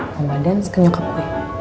pembadan sekenyokap gue